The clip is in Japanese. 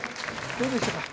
どうでしたか？